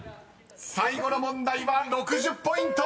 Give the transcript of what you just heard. ［最後の問題は６０ポイント！］